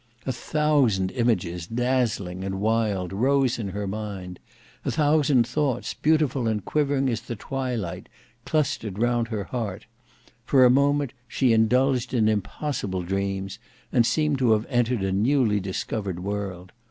A thousand images dazzling and wild rose in her mind; a thousand thoughts, beautiful and quivering as the twilight, clustered round her heart; for a moment she indulged in impossible dreams, and seemed to have entered a newly discovered world.